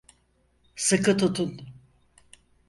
Sıkı tutun.